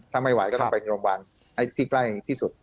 ถ้าไม่ไหวก็ต้องไปโรงพยาบาลให้ที่ใกล้ที่สุด